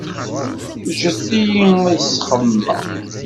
Ǧǧet-iyi ad s-xemmemeɣ.